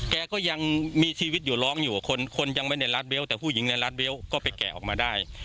แกก็ยังมีชีวิตอยู่ร้องอยู่กับคนคนยังไม่ได้รัดเวลต์แต่ผู้หญิงในรัดเวลต์ก็ไปแกะออกมาได้